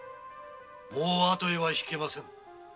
もう後へはひけません。